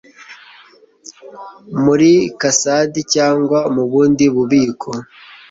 muri csd cyangwa mu bundi bubiko